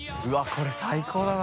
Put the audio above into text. これ最高だな